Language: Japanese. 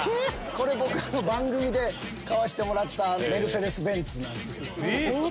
番組で買わせてもらったメルセデス・ベンツなんです。